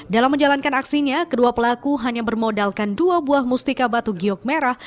dalam menjalankan aksinya kedua pelaku hanya bermodalkan dua buah mustika batu giok merah